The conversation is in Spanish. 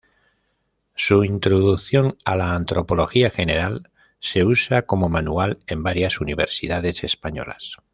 Su "Introducción a la antropología general" se usa como manual en varias universidades españolas.